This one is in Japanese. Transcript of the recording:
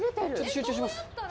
集中します。